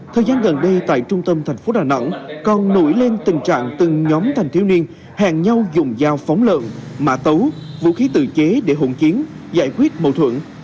thời gian gần đây tại trung tâm thành phố đà nẵng còn nổi lên tình trạng từng nhóm thành thiếu niên hẹn nhau dùng dao phóng lợn mã tấu vũ khí tự chế để hỗn chiến giải quyết mâu thuẫn